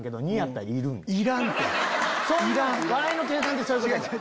笑いの計算ってそういうこと。